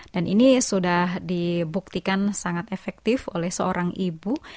dan ini sudah dibuktikan sangat efektif oleh seorang ibu